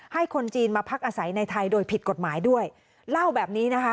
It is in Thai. คนจีนมาพักอาศัยในไทยโดยผิดกฎหมายด้วยเล่าแบบนี้นะคะ